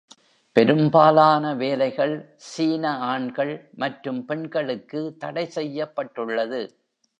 பெரும்பாலான வேலைகள் சீன ஆண்கள் மற்றும் பெண்களுக்கு தடை செய்யப்பட்டுள்ளது.